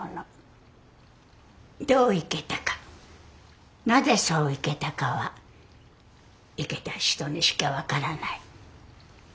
どう生けたかなぜそう生けたかは生けた人にしか分からない。